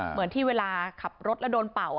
เหมือนที่เวลาขับรถแล้วโดนเป่า